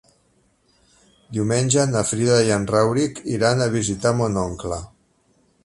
Diumenge na Frida i en Rauric iran a visitar mon oncle.